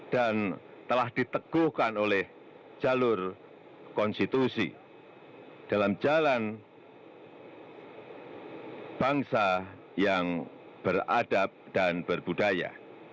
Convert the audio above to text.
dan telah diteguhkan oleh jalur konstitusi dalam jalan bangsa yang beradab dan berbudaya